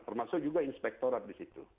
termasuk juga inspektorat di situ